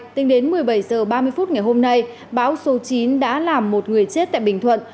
tính đến một mươi bảy h ba mươi phút ngày hôm nay bão số chín đã làm một người chết tại bình thuận